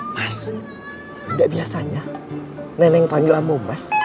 mas tidak biasanya neneng panggil kamu mas